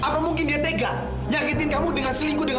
kamu tidur di kasur aja